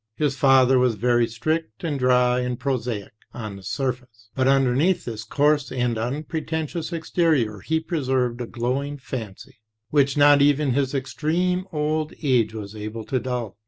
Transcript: His father was very strict, and dry and prosaic on the surface; but underneath this coarse and unpretentious exterior he preserved a glowing fancy, which not even his extreme old age was able to dull.